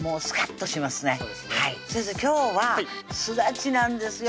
そうですね先生今日はすだちなんですよ